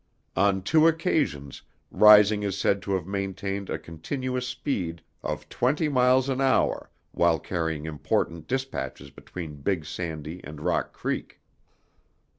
On two occasions, Rising is said to have maintained a continuous speed of twenty miles an hour while carrying important dispatches between Big Sandy and Rock Creek.